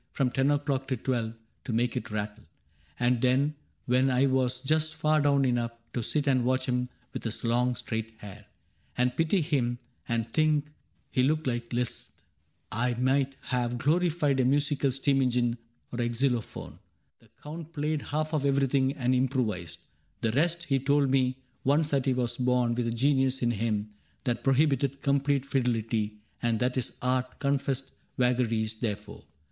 From ten o*clock till twelve — to make it rattle; And then, when I was just far down enough To sit and watch him with his long straight hair. And pity him, and think he looked like Liszt, I might have glorified a musical Steam engine, or a xylophone. The Count Played half of everything and * improvised * The rest : he told me once that he was born With a genius in him that ^ prohibited Complete fidelity,* and that his art ^ Confessed vagaries,' therefore.